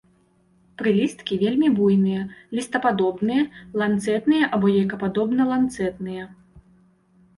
Прылісткі вельмі буйныя, лістападобныя, ланцэтныя або яйкападобна-ланцэтныя.